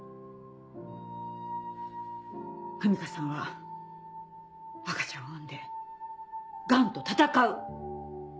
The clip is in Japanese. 文香さんは赤ちゃんを産んでガンと闘う！